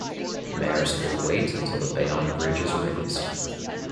Maersk will wait until the Bayonne Bridge is raised.